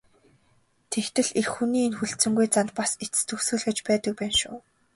Тэгтэл эх хүний энэ хүлцэнгүй занд бас эцэс төгсгөл гэж байдаг байна шүү.